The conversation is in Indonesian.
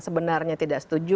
sebenarnya tidak setuju